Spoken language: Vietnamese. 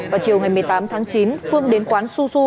vào chiều một mươi tám tháng chín phương đến quán xu xu